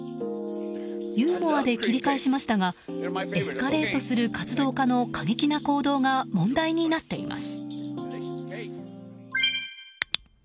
ユーモアで切り返しましたがエスカレートする活動家の過激な行動が問題になっています。